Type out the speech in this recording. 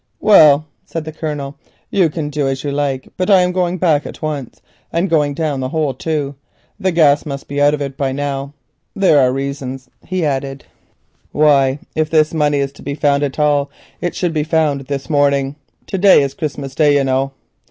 "Well," said the Colonel, "you can do as you like, but I'm going back at once, and going down the hole, too; the gas must be out of it by now. There are reasons," he added, "why, if this money is to be found at all, it should be found this morning. To day is Christmas Day, you know."